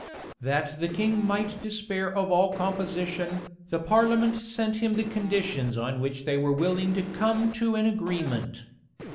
That the king might despair of all composition, the parliament sent him the conditions on which they were willing to some to an agreement.